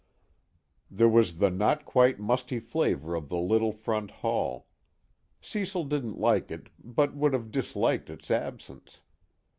There was the not quite musty flavor of the little front hall: Cecil didn't like it but would have disliked its absence.